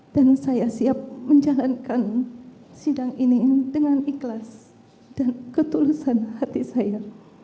dan saya siap menjalankan sidang ini dengan ikhlas dan ketulusan hati saya